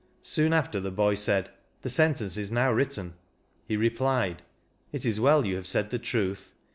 Soon after the boy said, * The sentence is now written/ He replied, 'It is well, you have said the truth.